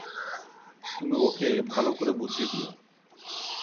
তুমি ওকে ভালো করে বুঝিয়ে দিও।